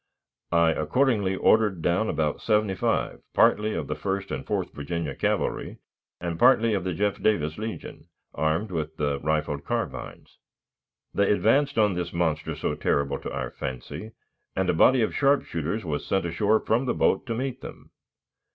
I accordingly ordered down about seventy five, partly of the First and Fourth Virginia Cavalry, and partly of the Jeff Davis Legion, armed with the rifled carbines. They advanced on this monster so terrible to our fancy, and a body of sharpshooters was sent ashore from the boat to meet them.